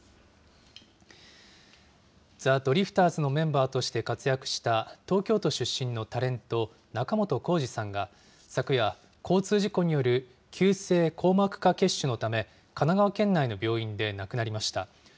ザ・ドリフターズのメンバーとして活躍した東京都出身のタレント、仲本工事さんが昨夜、交通事故による急性硬膜下血腫のため神奈川県内の病院で亡くなりました。